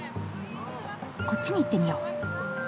こっちに行ってみよう。